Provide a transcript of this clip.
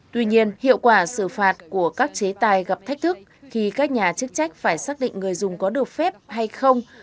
tuy nhiên hiệu quả xử phạt của các chế tài gặp thách thức khi các nhà chức trách phải xác định người dùng có được phép hay không